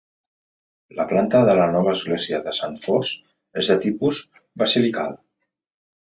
La planta de la nova església de Sant Fost és de tipus basilical.